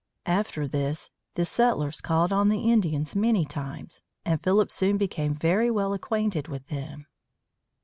After this, the settlers called on the Indians many times, and Philip soon became very well acquainted with them.